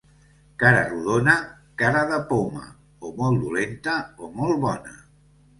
Cara rodona, cara de poma, o molt dolenta o molt bona.